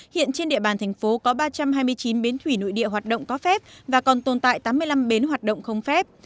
hiện trên địa bàn thành phố có ba trăm hai mươi chín bến thủy nội địa hoạt động có phép và còn tồn tại tám mươi năm bến hoạt động không phép